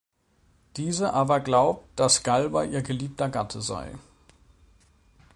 Diese aber glaubt, dass Galba ihr geliebter Gatte sei.